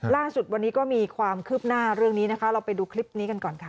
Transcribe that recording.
ล่าสุดวันนี้ก็มีความคืบหน้าเรื่องนี้นะคะเราไปดูคลิปนี้กันก่อนค่ะ